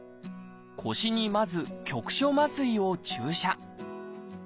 腰にまず局所麻酔を注射。